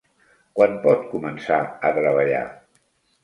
Quan pot començar a treballar?